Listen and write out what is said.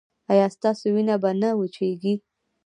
ایا ستاسو وینه به نه وچیږي؟